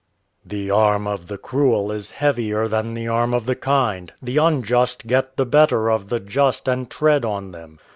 "The arm of the cruel is heavier than the arm of the kind. The unjust get the better of the just and tread on them.